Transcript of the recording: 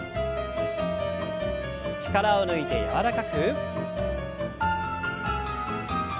力を抜いて柔らかく。